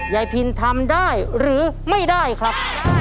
พินทำได้หรือไม่ได้ครับ